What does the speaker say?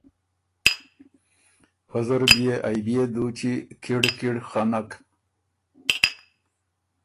پۀ زر بيے ائ بيې دُوچی کِړ کِړ خنک۔